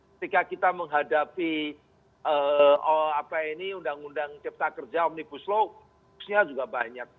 ketika kita menghadapi undang undang cipta kerja omnipus law hoax nya juga banyak